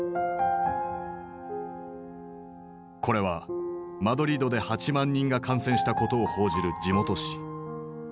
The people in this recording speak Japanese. これはマドリードで８万人が感染したことを報じる地元紙。